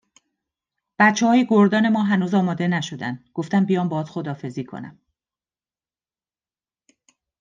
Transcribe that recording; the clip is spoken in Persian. بچههای گردان ما هنوز آماده نشدن، گفتم بیام باهات خداحافظی کنم